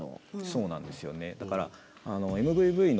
そうなんですよね。